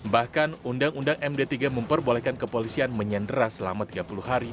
bahkan undang undang md tiga memperbolehkan kepolisian menyandera selama tiga puluh hari